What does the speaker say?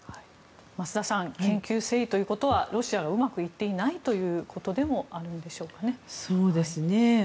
増田さん研究せいということはロシアがうまくいっていないということでもあるんでしょうかね。